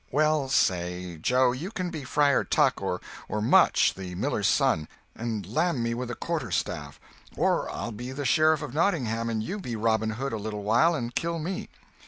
"Well, say, Joe, you can be Friar Tuck or Much the miller's son, and lam me with a quarter staff; or I'll be the Sheriff of Nottingham and you be Robin Hood a little while and kill me."